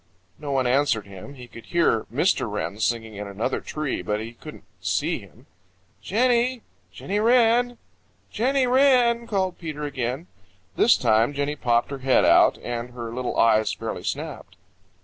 No one answered him. He could hear Mr. Wren singing in another tree, but he couldn't see him. "Jenny! Jenny Wren! Jenny Wren!" called Peter again. This time Jenny popped her head out, and her little eyes fairly snapped.